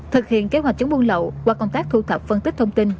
thực hiện kế hoạch chống buôn lậu qua công tác thu thập phân tích thông tin